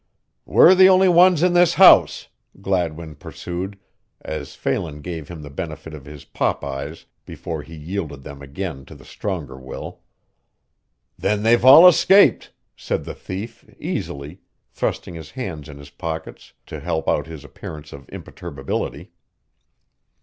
"We're the only ones in this house," Gladwin pursued, as Phelan gave him the benefit of his pop eyes before he yielded them again to the stronger will. "Then they've all escaped," said the thief, easily, thrusting his hands in his pockets to help out his appearance of imperturbability.